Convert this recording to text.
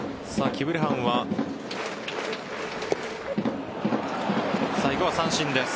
キブレハンは最後は三振です。